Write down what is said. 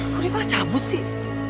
kok dia malah cabut sih